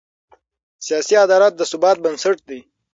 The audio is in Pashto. سیاسي عدالت د ثبات بنسټ دی